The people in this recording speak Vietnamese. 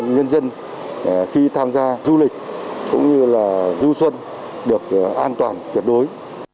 nhân dân khi tham gia du lịch cũng như là du xuân được an toàn tuyệt đối